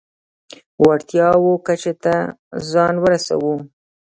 وړتیاوو کچه ته ځان ورسوو.